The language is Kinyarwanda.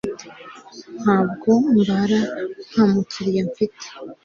Ntabwo mbara nta mukiriya mfite